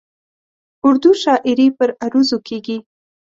اردو شاعري پر عروضو کېږي.